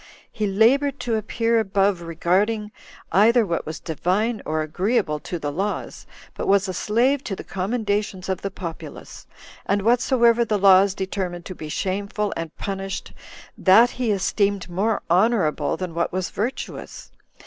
He labored to appear above regarding either what was divine or agreeable to the laws, but was a slave to the commendations of the populace; and whatsoever the laws determined to be shameful, and punished, that he esteemed more honorable than what was virtuous.